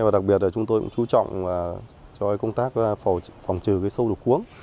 nhưng mà đặc biệt là chúng tôi cũng chú trọng cho công tác phòng trừ sâu đục cuống